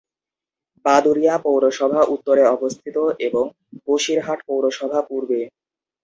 বাদুড়িয়া পৌরসভা উত্তরে অবস্থিত এবং বসিরহাট পৌরসভা পূর্বে।